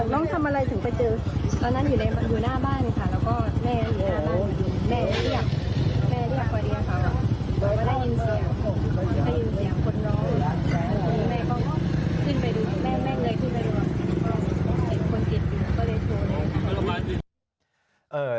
เป็นคนกิจก็เลยโทรเลย